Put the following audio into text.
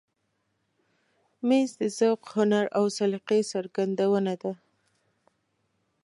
مېز د ذوق، هنر او سلیقې څرګندونه ده.